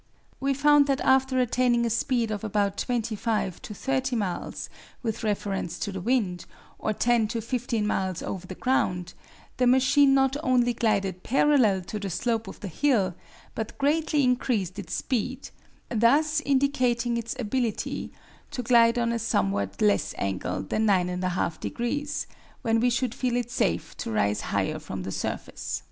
We found that after attaining a speed of about 25 to 30 miles with reference to the wind, or 10 to 15 miles over the ground, the machine not only glided parallel to the slope of the hill, but greatly increased its speed, thus indicating its ability to glide on a somewhat less angle than 9.5 deg., when we should feel it safe to rise higher from the surface.